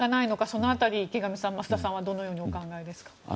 そのあたり、池上さん増田さんはどうお考えですか。